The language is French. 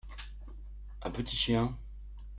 un petit chien.